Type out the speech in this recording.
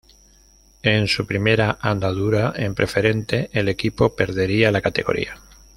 En su primera andadura en Preferente el equipo perdería la categoría.